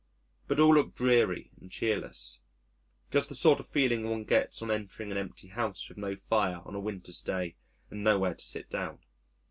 But all looked dreary and cheerless just the sort of feeling one gets on entering an empty house with no fire on a winter's day and nowhere to sit down....